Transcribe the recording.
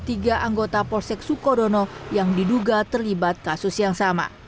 tiga anggota polsek sukodono yang diduga terlibat kasus yang sama